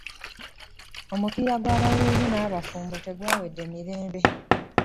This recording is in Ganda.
Omupiira gw'abawuulu n'abafumbo tegwawedde mirembe.